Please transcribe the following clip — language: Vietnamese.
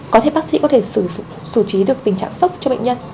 có thể bác sĩ có thể xử trí được tình trạng sốc cho bệnh nhân